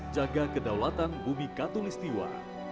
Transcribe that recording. jaga kedaulatan bumi katulistiwa